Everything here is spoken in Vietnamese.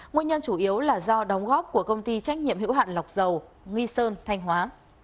nguyên nhân chủ yếu là do đóng góp của công ty trách nhiệm hữu hạn lọc dầu nghi sơn thanh hóa